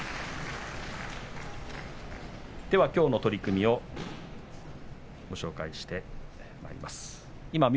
きょうの取組をご紹介してまいります。